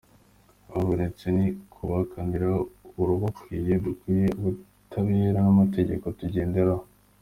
Ababonetse ni ukubakanira urubakwiye, dukurikije ubutabera n’amategeko tugenderaho.